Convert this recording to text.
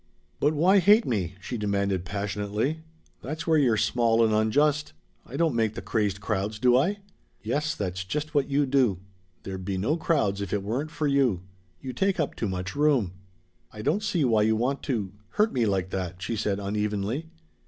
"But why hate me?" she demanded passionately. "That's where you're small and unjust! I don't make the crazed crowds, do I?" "Yes; that's just what you do. There'd be no crowds if it weren't for you. You take up too much room." "I don't see why you want to hurt me like that," she said unevenly.